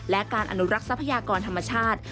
และการอนุรักษ์ทรัพยากรธรรมชาติ